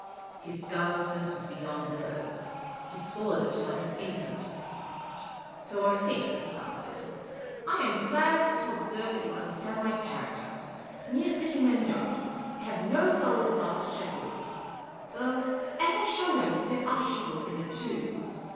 His guilelessness was beyond words. He swallowed it like an infant. " So I think," he answered. " I am glad to observe that you understand my character. Mere City men don't. They have no souls above shekels. Though, as I show them, there are shekels in it, too.